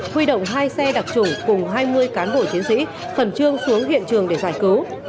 huy động hai xe đặc trùng cùng hai mươi cán bộ chiến sĩ khẩn trương xuống hiện trường để giải cứu